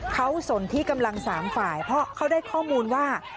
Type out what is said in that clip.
เขาสนที่กำลัง๓ฝ่ายเพราะเขาได้ข้อมูลว่า